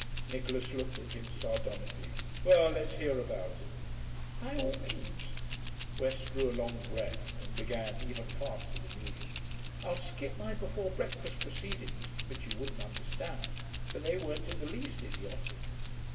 Nicholas looked at him sardonically. 'Well, let's hear about it.' 'By all means.' West drew a long breath and began, even faster than usual. 'I'll skip my before breakfast proceedings, which you wouldn't understand. But they weren't in the least idiotic.